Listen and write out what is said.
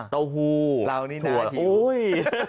โต๊ะหูถั่วโอ๊ยเรานี่น่าหิว